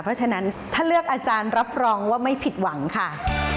เพราะฉะนั้นถ้าเลือกอาจารย์รับรองว่าไม่ผิดหวังค่ะ